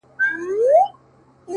ما د سفر موزې په پښو کړلې له ياره سره-